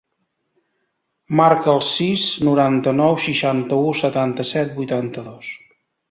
Marca el sis, noranta-nou, seixanta-u, setanta-set, vuitanta-dos.